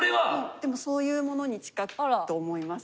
でもそういうものに近いと思います。